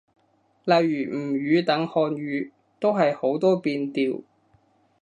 例如吳語等漢語，都係好多變調